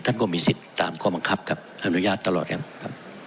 ท่านก็มีสิทธิ์ตามความบังคับอาการอนุญาตตลอดอีกครับครับ